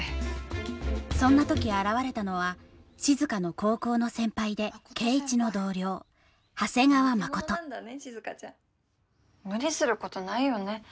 そんな時現れたのは静の高校の先輩で圭一の同僚長谷川真琴無理することないよね